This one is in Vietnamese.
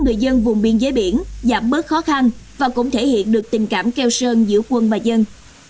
người dân vùng biên giới biển giảm bớt khó khăn và cũng thể hiện được tình cảm keo sơn giữa quân và dân